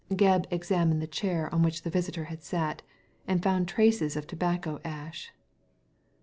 Gebb examined the chair on which the visitor had sat, and found traces of tobacco ash.